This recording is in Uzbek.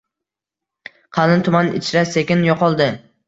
Qalin tuman ichra sekin yo‘qoldi.